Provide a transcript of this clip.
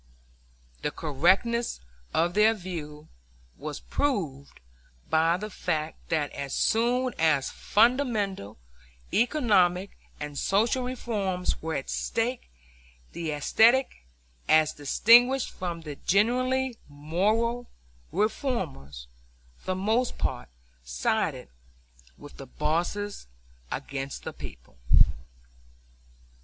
The correctness of their view was proved by the fact that as soon as fundamental economic and social reforms were at stake the aesthetic, as distinguished from the genuinely moral, reformers, for the most part sided with the bosses against the people.